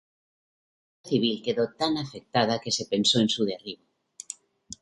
Tras la Guerra Civil quedó tan afectada que se pensó en su derribo.